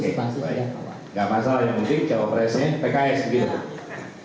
gak masalah yang penting cawapresnya pks